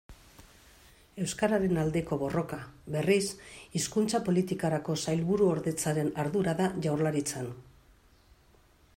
Euskararen aldeko borroka, berriz, Hizkuntza Politikarako Sailburuordetzaren ardura da Jaurlaritzan.